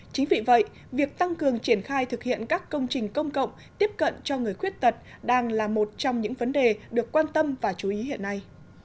chính vì vậy việc tăng cường triển khai thực hiện các công trình công cộng tiếp cận cho người khuyết tật đang là một trong những vấn đề được quan tâm và chú ý hiện nay